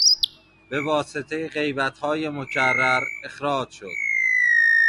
به واسطهی غیبتهای مکرر اخراج شد.